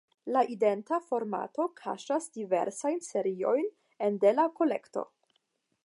La identa formato kaŝas diversajn seriojn en de la kolekto.